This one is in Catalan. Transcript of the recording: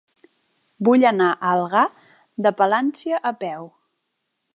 Vull anar a Algar de Palància a peu.